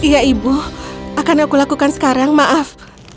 iya ibu akan aku lakukan sekarang maaf